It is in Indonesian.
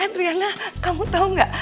adriana kamu tau gak